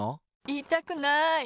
いいたくない。